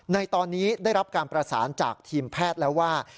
ในตอนนี้ได้รับการประสานจากทีมแพทย์แล้วว่า